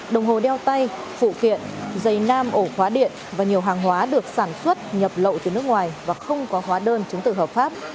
dây nam ổ khóa điện và nhiều hàng hóa được sản xuất nhập lộ từ nước ngoài và không có hóa đơn chứng tự hợp pháp